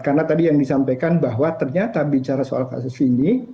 karena tadi yang disampaikan bahwa ternyata bicara soal kasus ini